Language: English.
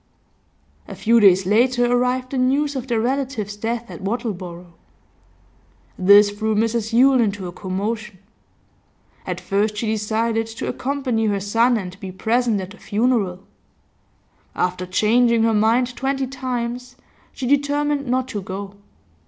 A few days later arrived the news of their relative's death at Wattleborough. This threw Mrs Yule into a commotion. At first she decided to accompany her son and be present at the funeral; after changing her mind twenty times, she determined not to go.